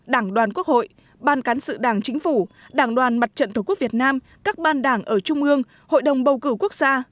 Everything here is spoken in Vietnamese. đảng đoàn quốc hội ban cán sự đảng chính phủ đảng đoàn mặt trận tổ quốc việt nam các ban đảng ở trung ương hội đồng bầu cử quốc gia